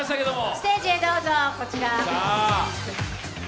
ステージへどうぞ、こちら。